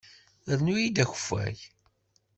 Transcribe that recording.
Rnu-iyi-d akeffay!